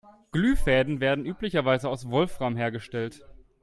Glühfäden werden üblicherweise aus Wolfram hergestellt.